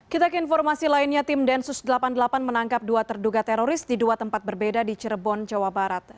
kita ke informasi lainnya tim densus delapan puluh delapan menangkap dua terduga teroris di dua tempat berbeda di cirebon jawa barat